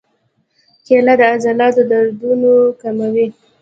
کېله د عضلاتو دردونه کموي.